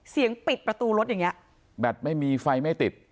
ปิดประตูรถอย่างเงี้แบตไม่มีไฟไม่ติด